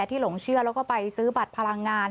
หลงเชื่อแล้วก็ไปซื้อบัตรพลังงาน